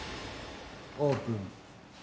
オープン。